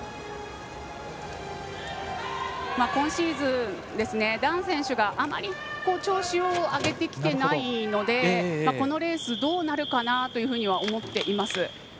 今シーズン、ダン選手があまり調子を上げてきていないのでこのレースどうなるかなとは思っています。